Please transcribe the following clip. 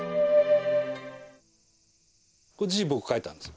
これ字僕書いたんです。